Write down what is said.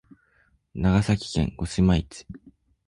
長崎県五島市